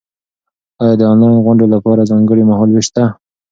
ایا د انلاین غونډو لپاره ځانګړی مهال وېش شته؟